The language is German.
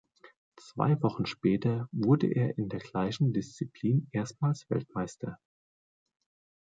Zwei Wochen später wurde er in der gleichen Disziplin erstmals Weltmeister.